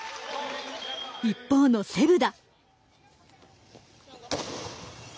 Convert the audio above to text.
一方のセブダ。